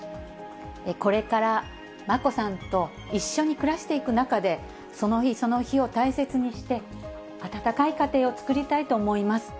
これから眞子さんと一緒に暮らしていく中で、その日その日を大切にして、温かい家庭を作りたいと思います。